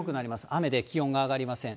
雨で気温が上がりません。